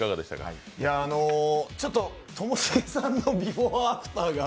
ともしげさんのビフォーアフターが。